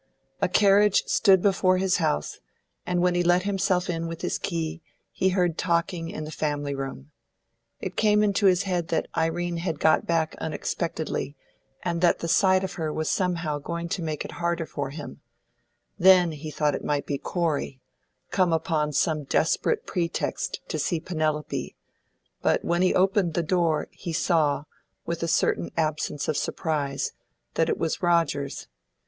A carriage stood before his house, and when he let himself in with his key, he heard talking in the family room. It came into his head that Irene had got back unexpectedly, and that the sight of her was somehow going to make it harder for him; then he thought it might be Corey, come upon some desperate pretext to see Penelope; but when he opened the door he saw, with a certain absence of surprise, that it was Rogers.